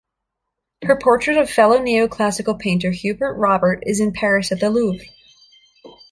Her portrait of fellow neoclassical painter Hubert Robert is in Paris at the Louvre.